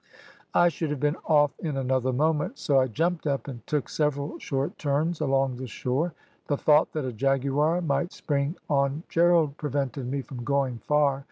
I should have been off in another moment, so I jumped up and took several short turns along the shore. The thought that a jaguar might spring on Gerald prevented me from going far.